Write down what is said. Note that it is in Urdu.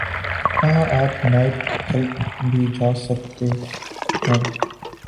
وہاں آپ نائب کلب بھی جا سکتے ہیں۔